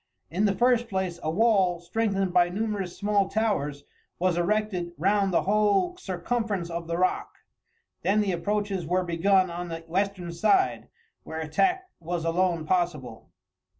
In the first place, a wall, strengthened by numerous small towers, was erected round the whole circumference of the rock; then the approaches were begun on the western side, where attack was alone possible.